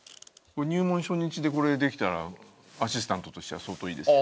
入門初日でこれできたらアシスタントとしては相当いいですよ。